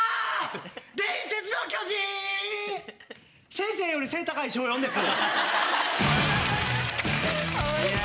「先生より背高い小４」です。